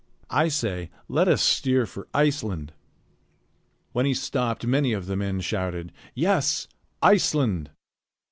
I say, let us steer for Iceland!" When he stopped, many of the men shouted: "Yes! Iceland!"